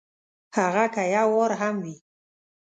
هغه که یو وار هم وي !